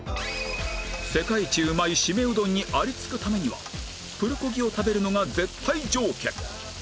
世界一うまいシメうどんにありつくためにはプルコギを食べるのが絶対条件